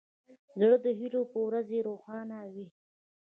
زړه د هیلو په ورځې روښانه وي.